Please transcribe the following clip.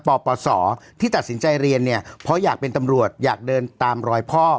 ปปศที่ตัดสินใจเรียนเนี่ยเพราะอยากเป็นตำรวจอยากเดินตามรอยพ่อ